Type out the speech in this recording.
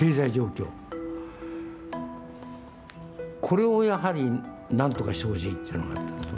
これをやはりなんとかしてほしいっていうのがあった。